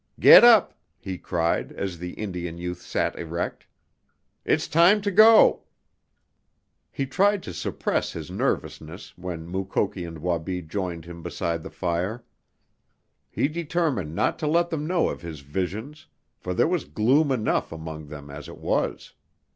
"Get up!" he cried, as the Indian youth sat erect. "It's time to go!" He tried to suppress his nervousness when Mukoki and Wabi joined him beside the fire. He determined not to let them know of his visions, for there was gloom enough among them as it was.